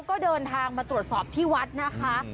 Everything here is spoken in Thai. ก็เดินทางมาตรวจสอบที่วัดนะคะ